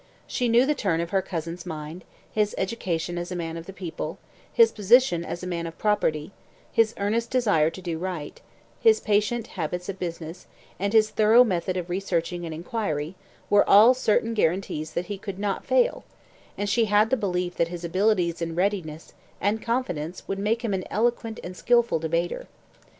She knew the turn of her cousin's mind, his education as a man of the people, his position as a man of property, his earnest desire to do right, his patient habits of business, and his thorough method of research and inquiry, were all certain guarantees that he could not fail; and she had the belief that his abilities, and readiness, and confidence would make him an eloquent and skilful debater.